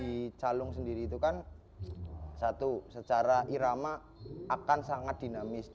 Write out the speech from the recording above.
di calung sendiri itu kan satu secara irama akan sangat dinamis